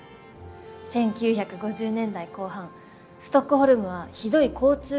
１９５０年代後半ストックホルムはひどい交通渋滞に悩まされていた。